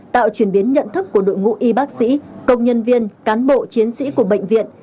tạo chuyển biến nhận thức của đội ngũ y bác sĩ công nhân viên cán bộ chiến sĩ của bệnh viện